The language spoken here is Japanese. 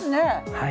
はい。